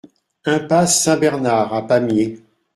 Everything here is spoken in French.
Impasse Saint-Bernard à Pamiers